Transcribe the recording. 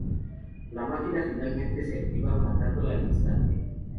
La máquina finalmente se activa, matándola al instante.